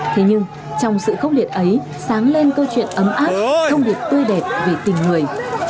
thế nhưng trong sự khốc liệt ấy sáng lên câu chuyện ấm áp không được tươi đẹp về tình người